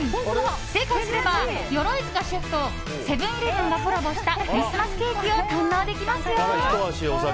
正解すれば鎧塚シェフとセブン‐イレブンがコラボしたクリスマスケーキを堪能できますよ。